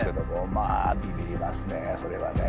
まあビビりますねそれはね。